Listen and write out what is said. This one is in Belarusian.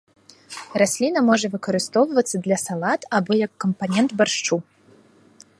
Расліна можа выкарыстоўвацца для салат або як кампанент баршчу.